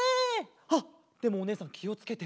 あっでもおねえさんきをつけて。